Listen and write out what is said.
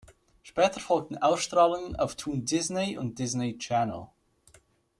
Später folgten Ausstrahlungen auf Toon Disney und Disney Channel.